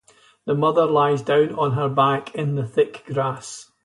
The mother lies down on her back in the thick grass.